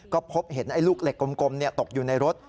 ก็พบเห็นไอ้ลูกเหล็กกลมตกอยู่ในรถ